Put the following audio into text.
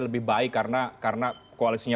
lebih baik karena koalisinya